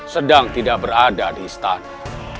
sedang tidak berada di istana